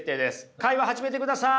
会話始めてください。